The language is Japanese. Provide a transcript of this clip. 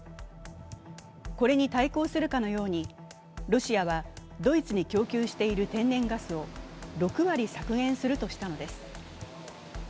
これに対抗するかのように、ロシアはドイツに供給している天然ガスを６割削減するとしたのです。